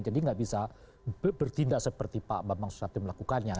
jadi nggak bisa bertindak seperti pak bang bang susatyo melakukannya